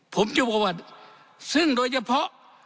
ผมจะบอกว่าซึ่งโดยเฉพาะ